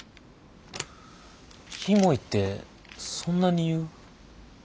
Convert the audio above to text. キモいってそんなに言う？